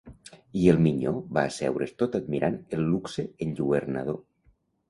I el minyó va asseure's tot admirant el luxe enlluernador